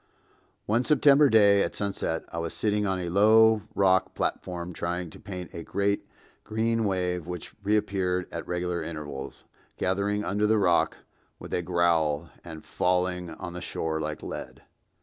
One September day at sunset I was sitting on a low rock platform trying to paint a great green wave which reappeared at regular intervals, gathering under the rock with a growl and falling on the shore like lead.